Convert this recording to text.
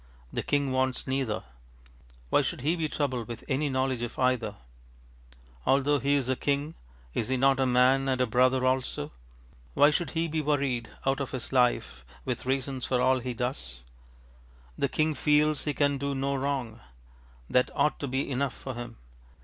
The king wants neither. Why should he be troubled with any knowledge of either? Although he is a king is he not a man and a brother also? Why should he be worried out of his life with reasons for all he does? The king feels he can do no wrong. That ought to be enough for him.